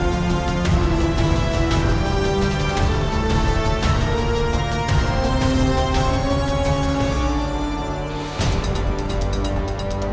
aku juga tidak sabar